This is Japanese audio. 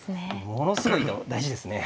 ものすごい大事ですね。